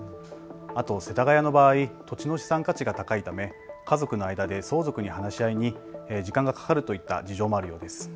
あと世田谷の場合、土地の資産価値が高いため家族の間で相続に話し合いに時間がかかるといった事情もあるようです。